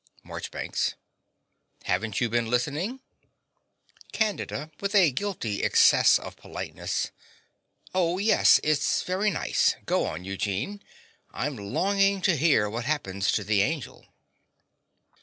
MARCHBANKS. Haven't you been listening? CANDIDA (with a guilty excess of politeness). Oh, yes. It's very nice. Go on, Eugene. I'm longing to hear what happens to the angel.